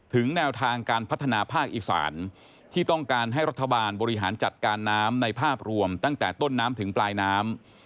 แนวทางการพัฒนาภาคอีสานที่ต้องการให้รัฐบาลบริหารจัดการน้ำในภาพรวมตั้งแต่ต้นน้ำถึงปลายน้ำ